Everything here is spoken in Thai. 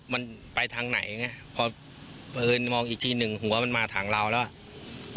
มันไปทางไหนไงพอเอิญมองอีกทีหนึ่งหัวมันมาทางเราแล้วอ่ะ